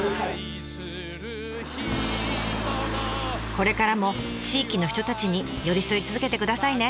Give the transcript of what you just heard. これからも地域の人たちに寄り添い続けてくださいね。